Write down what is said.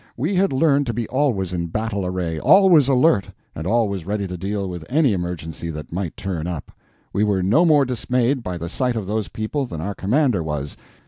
We had learned to be always in battle array, always alert, and always ready to deal with any emergency that might turn up. We were no more dismayed by the sight of those people than our commander was.